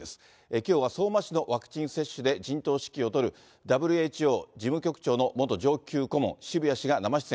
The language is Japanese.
きょうは相馬市のワクチン接種で陣頭指揮を執るＷＨＯ事務局長の元上級顧問、渋谷氏が生出演。